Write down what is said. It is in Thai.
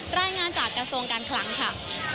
รายงานจากกระทรวงการคลังค่ะ